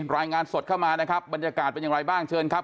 รายงานสดเข้ามานะครับบรรยากาศเป็นอย่างไรบ้างเชิญครับ